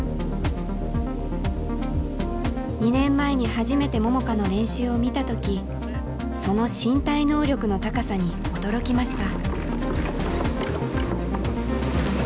２年前に初めて桃佳の練習を見た時その身体能力の高さに驚きました。